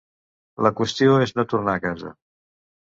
La qüestió és no tornar a casa.